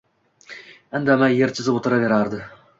Indamay yer chizib o‘tiraverdi.